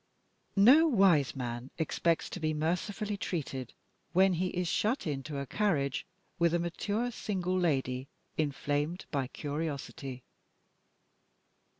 No wise man expects to be mercifully treated, when he is shut into a carriage with a mature single lady, inflamed by curiosity.